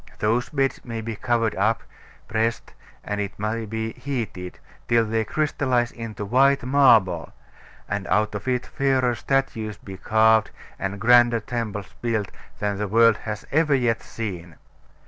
Those beds may be covered up, pressed, and, it may be, heated, till they crystallise into white marble: and out of it fairer statues be carved, and grander temples built, than the world has ever yet seen.